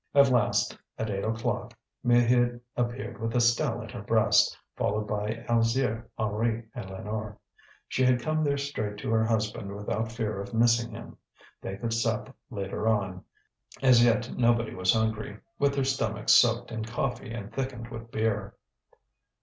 At last, at eight o'clock, Maheude appeared with Estelle at her breast, followed by Alzire, Henri, and Lénore. She had come there straight to her husband without fear of missing him. They could sup later on; as yet nobody was hungry, with their stomachs soaked in coffee and thickened with beer.